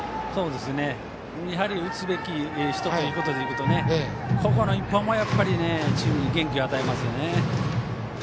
やはり打つべき人ということでいくとここの一本もチームに元気を与えますね。